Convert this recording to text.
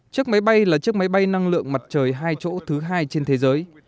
chiếc máy bay là chiếc máy bay năng lượng mặt trời hai chỗ thứ hai trên thế giới